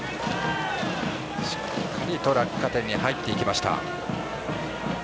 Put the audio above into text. しっかりと落下点に入っていきました。